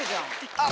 あっ！